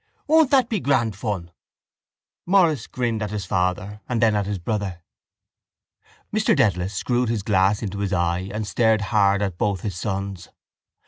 Won't that be grand fun? Maurice grinned at his father and then at his brother. Mr Dedalus screwed his glass into his eye and stared hard at both his sons.